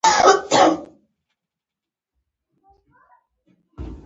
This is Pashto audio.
دواړو سګرټ څښل او جمال خان وویل چې غلا کړي مې دي